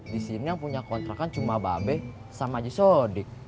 di sini yang punya kontrakan cuma babe sama aji sodik